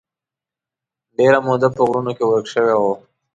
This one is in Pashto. ډېره موده په غرونو کې ورک شوی و.